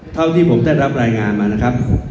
เท่าที่ผมได้รับรายงานมานะครับ